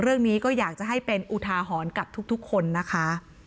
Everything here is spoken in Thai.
เรื่องนี้ก็อยากจะให้เป็นอุทาหรณ์กับทุกคนนะคะ